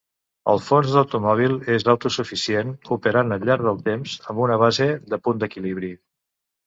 El fons d'automòbil es auto suficient, operant al llarg del temps amb una base de punt d'equilibri.